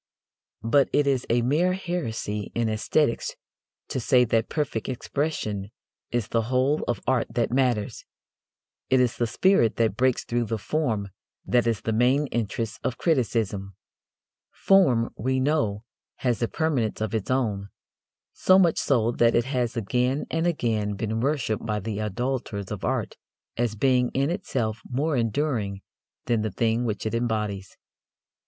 But it is a mere heresy in æsthetics to say that perfect expression is the whole of art that matters. It is the spirit that breaks through the form that is the main interest of criticism. Form, we know, has a permanence of its own: so much so that it has again and again been worshipped by the idolators of art as being in itself more enduring than the thing which it embodies.